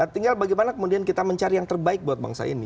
tinggal bagaimana kemudian kita mencari yang terbaik buat bangsa ini